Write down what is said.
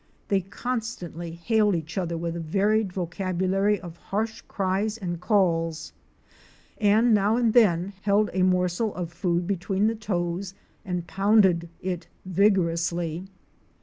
They constantly hailed each other with a varied vocabulary of harsh cries and calls, and now and then held a morsel of food between the toes and pounded it vigorously.